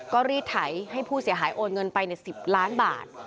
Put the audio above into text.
ก็รีดไถให้ผู้เสียหายโอนเงินไปใน๑๐ล้านบาท